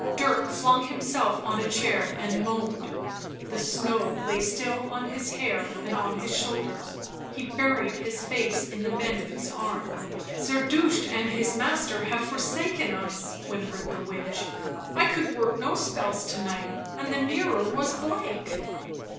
Dirk flung himself on a chair and moaned; the snow lay still on his hair and his shoulders ; he buried his face in the bend of his arm. 11 Zerdusht and his master have forsaken us,'* whim pered the witch. " I could work no spells to night., and the mirror was blank."